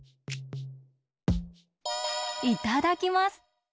いただきます！